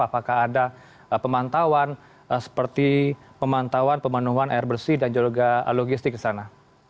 apakah ada pemantauan seperti pemantauan pemenuhan air bersih dan juga logistik di sana